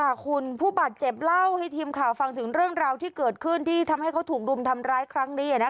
ค่ะคุณผู้บาดเจ็บเล่าให้ทีมข่าวฟังถึงเรื่องราวที่เกิดขึ้นที่ทำให้เขาถูกรุมทำร้ายครั้งนี้